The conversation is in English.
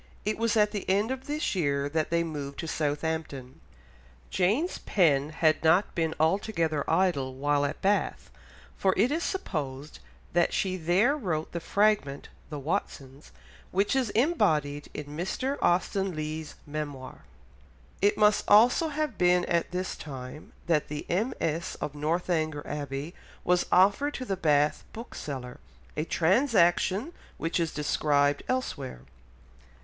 It was at the end of this year that they moved to Southampton. Jane's pen had not been altogether idle while at Bath, for it is supposed that she there wrote the fragment The Watsons which is embodied in Mr. Austen Leigh's Memoir. It must also have been at this time that the MS. of Northanger Abbey was offered to the Bath bookseller, a transaction which is described elsewhere.